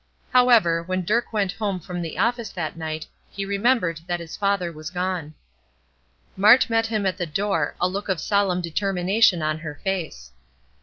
However, when Dirk went home from the office that night he remembered that the father was gone. Mart met him at the door, a look of solemn determination on her face.